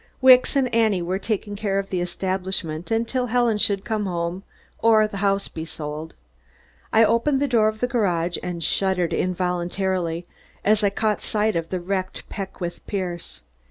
Wicks and Annie were taking care of the establishment until Helen should come home, or the house be sold. I opened the door of the garage and shuddered involuntarily as I caught sight of the wrecked Peckwith Pierce.